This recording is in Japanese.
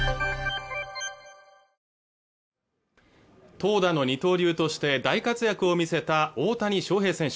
投打の二刀流として大活躍を見せた大谷翔平選手